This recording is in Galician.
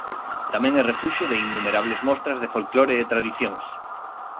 Tamén é refuxio de innumerables mostras de folclore e tradicións.